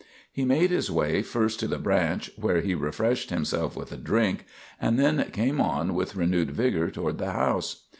He made his way first to the branch, where he refreshed himself with a drink, and then came on with renewed vigor toward the house.